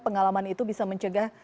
pengalaman itu bisa mencegah